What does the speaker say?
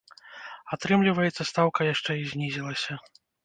Атрымліваецца, стаўка яшчэ і знізілася!